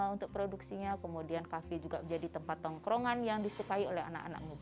untuk produksinya kemudian kafe juga menjadi tempat tongkrongan yang disukai oleh anak anak muda